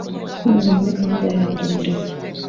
Binyuze muri gahunda ya Hanga Umuriro